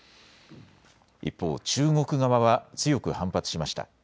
一方、中国側は強く反発しました。